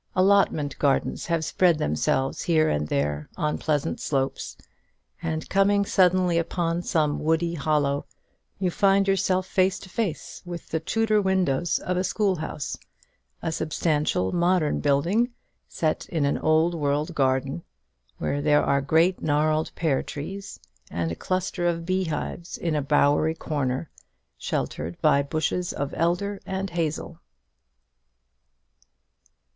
Allotment gardens have spread themselves here and there on pleasant slopes; and coming suddenly upon some woody hollow, you find yourself face to face with the Tudor windows of a schoolhouse, a substantial modern building, set in an old world garden, where there are great gnarled pear trees, and a cluster of beehives in a bowery corner, sheltered by bushes of elder and hazel.